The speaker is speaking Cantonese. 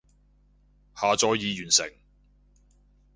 下載已完成